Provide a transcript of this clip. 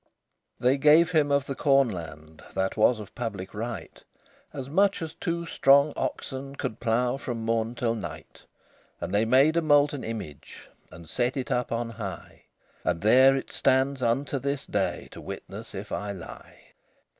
LXV They gave him of the corn land, That was of public right, As much as two strong oxen Could plough from morn till night; And they made a molten image, And set it up on high, And there is stands unto this day To witness if I lie.